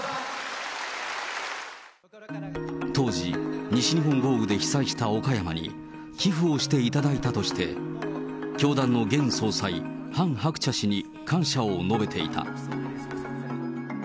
当時、西日本豪雨で被災した岡山に寄付をしていただいたとして、教団の現総裁、ハン・ハクチャ氏に感謝を述べていた。